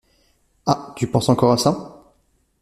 Ah ! tu penses encore à ça ?